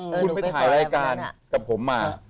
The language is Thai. คุณไปถ่ายรายการกับผมมา